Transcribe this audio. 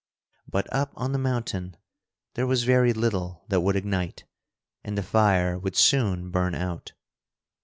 But up on the mountain there was very little that would ignite, and the fire would soon burn out.